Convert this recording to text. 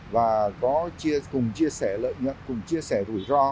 và cùng chia sẻ lợi nhuận cùng chia sẻ rủi ro